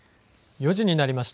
４時になりました。